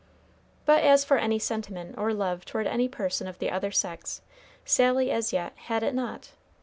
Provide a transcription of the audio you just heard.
But as for any sentiment or love toward any person of the other sex, Sally, as yet, had it not.